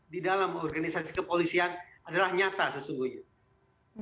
di dalam organisasi kepolisian adalah nyata sesungguhnya